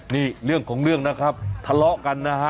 นี่เรื่องของเรื่องนะครับทะเลาะกันนะฮะ